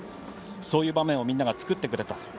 そういう場面がみんなが作ってくれた。